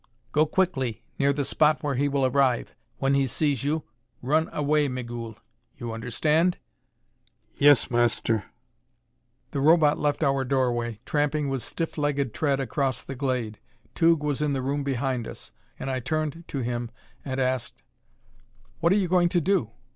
"Go quickly, near the spot where he will arrive. When he sees you, run away, Migul. You understand?" "Yes, Master." The Robot left our doorway, tramping with stiff legged tread across the glade. Tugh was in the room behind us, and I turned to him and asked: "What are you going to do?"